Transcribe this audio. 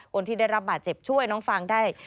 คนที่ได้รับบาดเจ็บช่วยน้องฟางได้